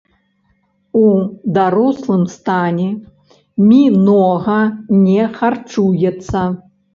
У дарослым стане мінога не харчуецца.